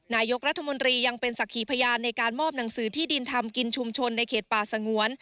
นายกรัฐมนตรียังเป็นสักขีพยานในการมอบหนังสือที่ดินทำกินชุมชนในเขตป่าสงวน